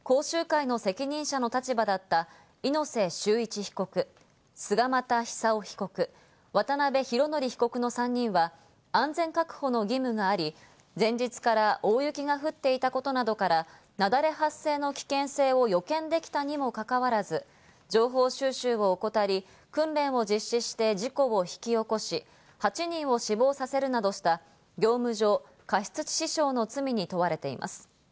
講習会の責任者の立場だった猪瀬修一被告、菅又久雄被告、渡辺浩典被告の３人は安全確保の義務があり、前日から大雪が降っていたことなどから、雪崩発生の危険性を予見できたにもかかわらず、情報収集を怠り、訓練を実施して、事故を引き起こし、８人を死亡させるなどした、業務上過失致死傷の罪に問われています。